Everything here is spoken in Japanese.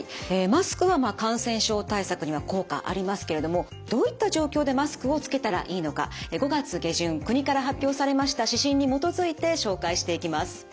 マスクは感染症対策には効果ありますけれどもどういった状況でマスクをつけたらいいのか５月下旬国から発表されました指針に基づいて紹介していきます。